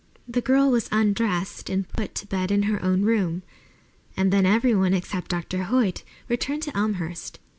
The girl was undressed and put to bed in her own room, and then everyone except Dr. Hoyt returned to Elmhurst.